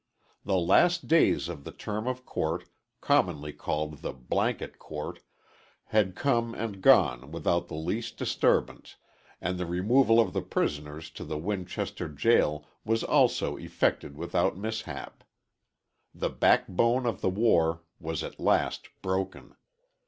The last days of the term of court, commonly called the "Blanket Court" had come and gone without the least disturbance, and the removal of the prisoners to the Winchester jail was also effected without mishap. The backbone of the war was at last broken.